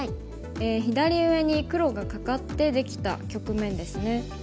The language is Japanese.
左上に黒がカカってできた局面ですね。